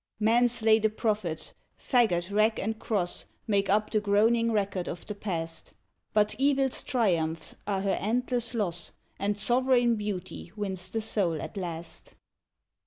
Men slay the prophets; fagot, rack, and cross Make up the groaning record of the past; But Evil's triumphs are her endless loss, And sovereign Beauty wins the soul at last.